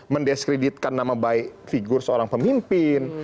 mendiskreditkan nama baik figur seorang pemimpin